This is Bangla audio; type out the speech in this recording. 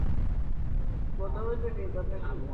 নাকি বসে আছে?